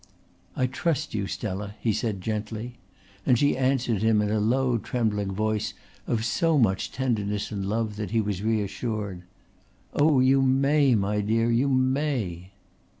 "I trust you, Stella," he said gently; and she answered him in a low trembling voice of so much tenderness and love that he was reassured. "Oh, you may, my dear, you may."